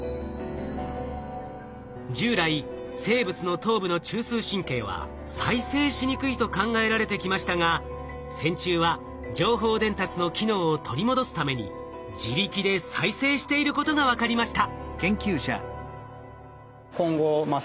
従来生物の頭部の中枢神経は再生しにくいと考えられてきましたが線虫は情報伝達の機能を取り戻すために自力で再生していることが分かりました。